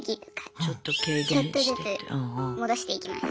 ちょっとずつ戻していきましたね。